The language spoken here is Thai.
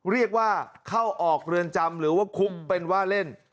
เรียกว่าเข้าออกเรือนจำหรือว่าคุกเป็นว่าเล่น